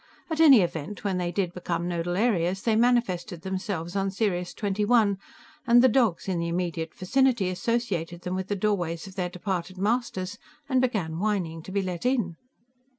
In any event, when they did become nodal areas, they manifested themselves on Sirius XXI, and the dogs in the immediate vicinity associated them with the doorways of their departed masters and began whining to be let in."